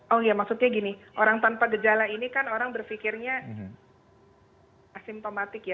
oh ya maksudnya gini orang tanpa gejala ini kan orang berpikirnya asimptomatik ya